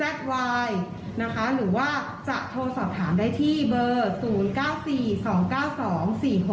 หรือว่าจะโทรสอบถามได้ที่๐๙๔๒๙๒๔๖๖๒